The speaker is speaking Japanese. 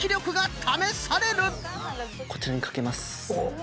こちらにかけます。